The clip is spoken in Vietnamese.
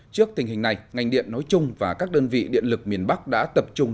trước tình hình này ngành điện nói chung và các đơn vị điện lực miền bắc đã tập trung